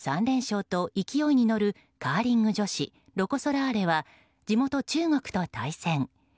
３連勝と勢いに乗るカーリング女子ロコ・ソラーレは地元・中国と対戦。